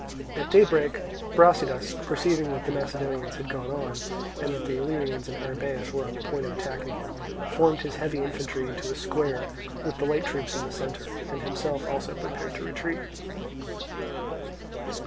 At daybreak Brasidas, perceiving that the Macedonians had gone on, and that the Illyrians and Arrhabaeus were on the point of attacking him, formed his heavy infantry into a square, with the light troops in the centre, and himself also prepared to retreat.